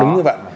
đúng như vậy